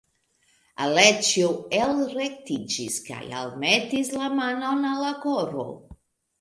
Aleĉjo elrektiĝis kaj almetis la manon al la koro.